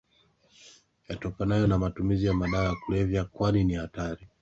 yatokanayo na matumizi ya madawa ya kulevya kwani ni hatari